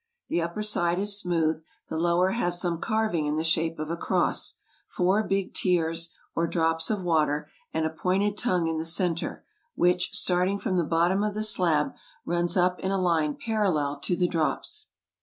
The upper side is smooth, the lower has some carving in the shape of a cross, four big tears or drops of water, and a pointed tongue in the center, which, starting from the bottom of the slab, runs up in a line parallel to the drops.